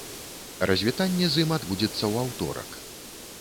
Развітанне з ім адбудзецца ў аўторак.